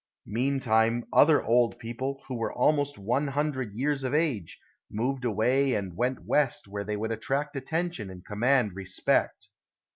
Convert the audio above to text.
Meantime other old people, who were almost one hundred years of age, moved away and went West where they would attract attention and command respect.